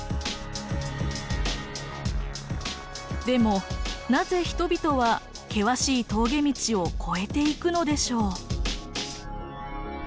でもなぜ人々は険しい峠道を越えていくのでしょう？